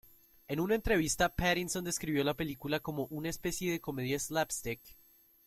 En una entrevista, Pattinson describió la película como "una especie de comedia slapstick".